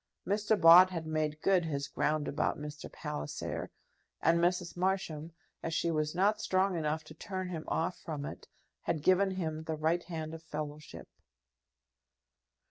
Mr. Bott had made good his ground about Mr. Palliser; and Mrs. Marsham, as she was not strong enough to turn him off from it, had given him the right hand of fellowship.